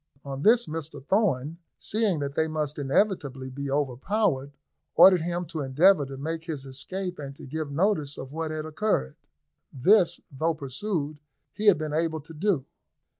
On this, Mr Thorn, seeing that they must inevitably be overpowered, ordered him to endeavour to make his escape, and to give notice of what had occurred. This, though pursued, he had been able to do.